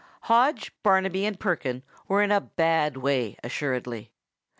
Hodge, Barnaby, and Perkin were in a bad way, assuredly.